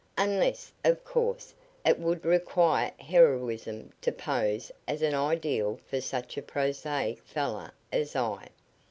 Unless, of course, it would require heroism to pose as an ideal for such a prosaic fellow as I."